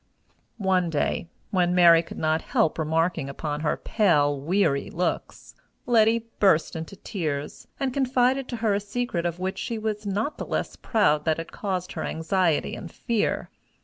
One day, when Mary could not help remarking upon her pale, weary looks, Letty burst into tears, and confided to her a secret of which she was not the less proud that it caused her anxiety and fear.